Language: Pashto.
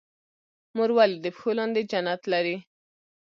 مور ولې د پښو لاندې جنت لري؟